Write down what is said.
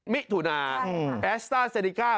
มิถุนาแอสต้าเซนิก้า